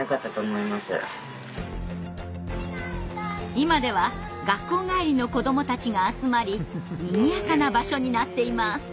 今では学校帰りの子どもたちが集まりにぎやかな場所になっています。